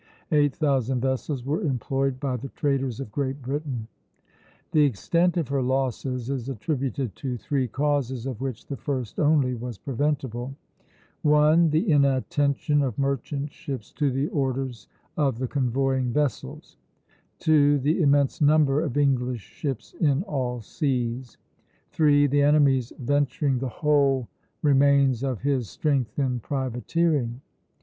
Eight thousand vessels were employed by the traders of Great Britain." The extent of her losses is attributed to three causes, of which the first only was preventable: (1) The inattention of merchant ships to the orders of the convoying vessels; (2) The immense number of English ships in all seas; (3) The enemy's venturing the whole remains of his strength in privateering.